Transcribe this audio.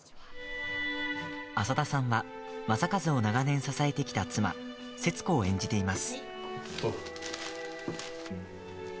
浅田さんは正一を長年支えてきた妻節子を演じています。